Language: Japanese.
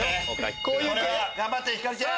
頑張ってひかるちゃん！